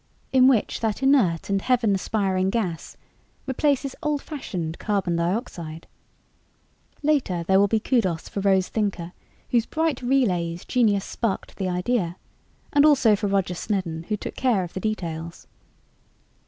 in which that inert and heaven aspiring gas replaces old fashioned carbon dioxide. Later, there will be kudos for Rose Thinker, whose bright relays genius sparked the idea, and also for Roger Snedden, who took care of the details.